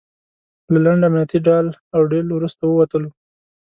له لنډ امنیتي ډال او ډیل وروسته ووتلو.